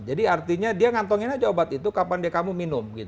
jadi artinya dia ngantongin aja obat itu kapan kamu minum